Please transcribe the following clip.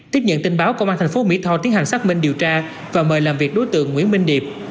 tiếp nhận tin báo công an thành phố mỹ tho tiến hành xác minh điều tra và mời làm việc đối tượng nguyễn minh điệp